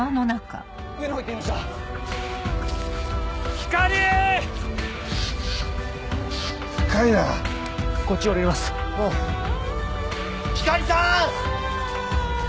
光莉さん！